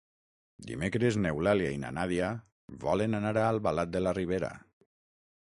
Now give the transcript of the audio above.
Dimecres n'Eulàlia i na Nàdia volen anar a Albalat de la Ribera.